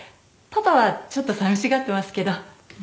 パパはちょっとさみしがってますけど。